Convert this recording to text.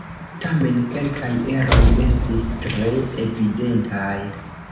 Tamen, kelkaj eroj estis tre evidentaj.